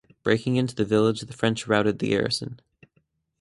Breaking into the village, the French routed the garrison.